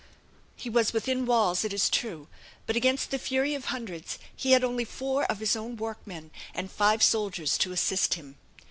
He was within walls, it is true; but against the fury of hundreds he had only four of his own workmen and five soldiers to assist him.